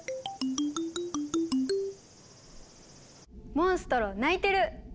モンストロ鳴いてる！